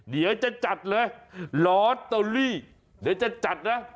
เดี๋ยวจะจัดเลยลอตเตอรี่เดี๋ยวจะจัดนะ